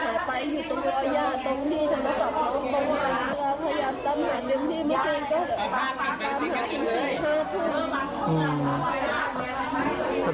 พยายามตั้งหายเหมือนที่เมื่อกี้ก็ตั้งหาถึงที่โทษธง